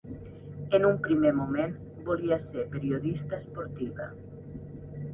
En un primer moment volia ser periodista esportiva.